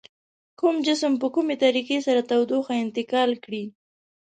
کوم جسم په کومې طریقې سره تودوخه انتقال کړي؟